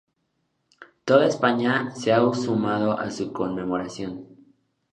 Toda España se ha sumado a su conmemoración.